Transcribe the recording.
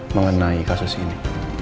mengenai kasus ini